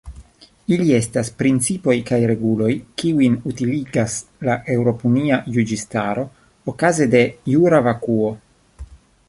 Ili estas principoj kaj reguloj, kiujn utiligas la eŭropunia juĝistaro okaze de "jura vakuo".